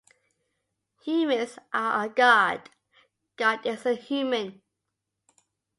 humans are a god , God is a human